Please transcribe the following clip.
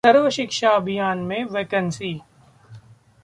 सर्व शिक्षा अभियान में वैकेंसी